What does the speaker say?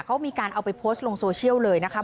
เขามีการเอาไปโพสต์ลงโซเชียลเลยนะคะ